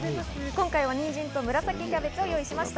今回はにんじんと紫キャベツを用意しました。